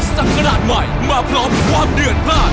สับกระดาษใหม่มาพร้อมความเดือนพลาด